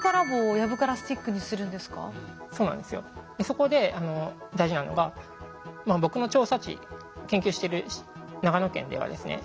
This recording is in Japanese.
そこで大事なのが僕の調査地研究してる長野県ではですね